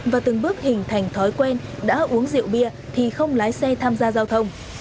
và từng bước hình thành thói quen đã uống rượu bia thì không lái xe tham gia giao thông